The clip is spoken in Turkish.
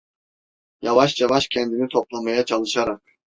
Yavaş yavaş kendini toplamaya çalışarak: